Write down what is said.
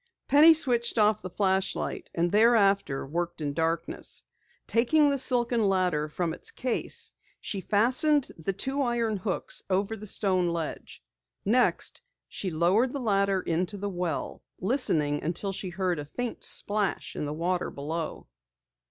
Penny switched off the flashlight and thereafter worked in darkness. Taking the silken ladder from its case, she fastened the two iron hooks over the stone ledge. Next, she lowered the ladder into the well, listening until she heard a faint splash in the water below.